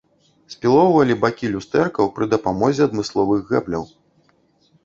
Спілоўвалі бакі люстэркаў пры дапамозе адмысловых гэбляў.